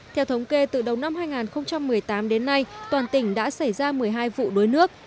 theo thống kê từ đầu năm hai nghìn một mươi tám đến nay toàn tỉnh đã xảy ra một mươi hai vụ đuối nước